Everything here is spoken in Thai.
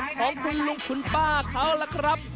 ถ้าไม่เป็นอุปสรรคของคุณลุงคุณป้าเขาล่ะครับ